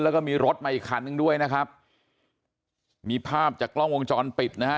แล้วก็มีรถมาอีกคันหนึ่งด้วยนะครับมีภาพจากกล้องวงจรปิดนะฮะ